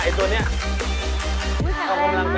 โอ้โฮโอ้โฮโอ้โฮโอ้โฮ